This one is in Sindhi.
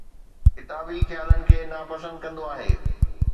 ڪتابي خيالن کي ناپسند ڪندو آهي